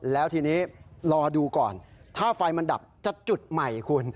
แล้วทีนี้รอดูก่อนถ้าไฟมันดับจะจุดใหม่คุณ